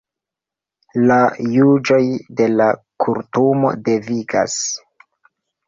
La juĝoj de la Kortumo devigas.